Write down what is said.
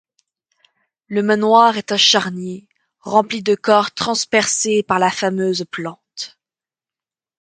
Le manoir est un charnier, rempli de corps transpercés par la fameuse plante.